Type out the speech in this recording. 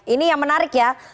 ini yang menarik ya